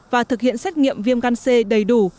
và thực hiện xét nghiệm viêm gan c đầy đủ